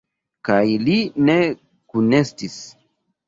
Kaj li ne kunestis.